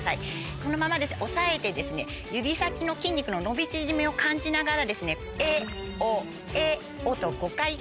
このまま押さえて指先の筋肉の伸び縮みを感じながら。